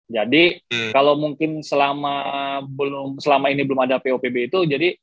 jadi kalo mungkin selama ini belum ada popb itu jadi